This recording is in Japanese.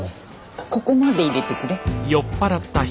ここまで入れてくれ。